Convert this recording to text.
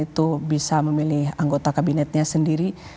itu bisa memilih anggota kabinetnya sendiri